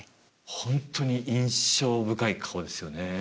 ホントに印象深い顔ですよね